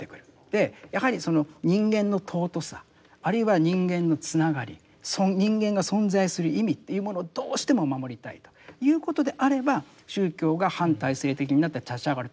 でやはりその人間の尊さあるいは人間のつながり人間が存在する意味というものをどうしても守りたいということであれば宗教が反体制的になって立ち上がるということはある。